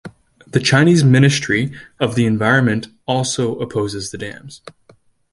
The Chinese Ministry of the Environment also opposes the dams.